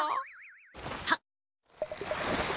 はっ。